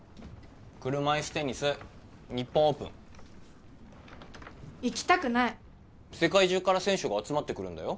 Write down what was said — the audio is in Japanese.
車いすテニス日本オープン行きたくない世界中から選手が集まってくるんだよ